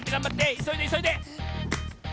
いそいでいそいで！